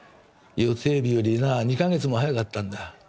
予定日よりな２か月も早かったんだ。